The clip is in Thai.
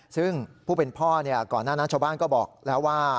ซึ่งผู้เป็นพ่อก่อนหน้านั้นชาวบ้านก็บอกแล้วว่า